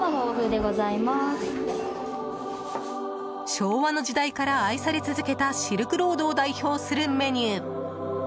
昭和の時代から愛され続けたシルクロードを代表するメニュー。